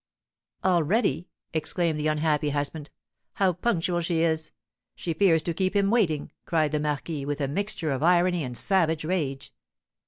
"Already?" exclaimed the unhappy husband; "how punctual she is! She fears to keep him waiting," cried the marquis, with a mixture of irony and savage rage.